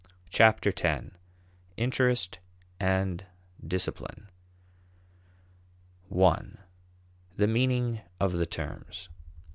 Chapter Ten: Interest and Discipline 1. The Meaning of the Terms.